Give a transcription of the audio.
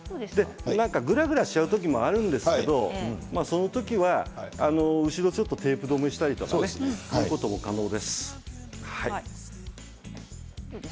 ぐらぐらしちゃうときもあるんですけれどそのときは後ろちょっとテープ留めしたりとかそれも可能です。